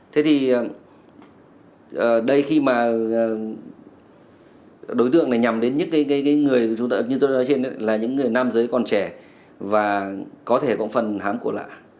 thế thì đây khi mà đối tượng này nhằm đến những người như tôi nói trên là những người nam giới còn trẻ và có thể có phần hám cổ lạ